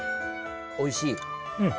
おいしい。